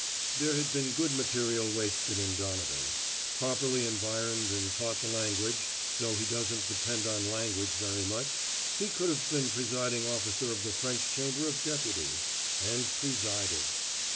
There has been good material wasted in Donovan. Properly environed and taught the language, though he doesn't depend on language very much, he could have been presiding officer of the French Chamber of Deputies and presided.